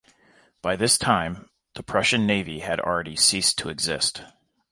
By this time, the Prussian Navy had already ceased to exist.